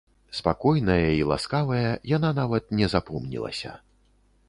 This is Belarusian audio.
Спакойная і ласкавая, яна нават не запомнілася.